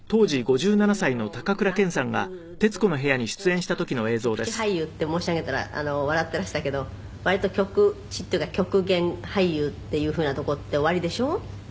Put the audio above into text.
「でも本当に南極ですとか八甲田山とか極地俳優って申し上げたら笑っていらしたけど割と極地っていうか極限俳優っていうふうなとこっておありでしょ？」